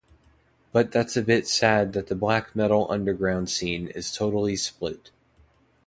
But that's a bit sad that the black metal underground scene is totally split.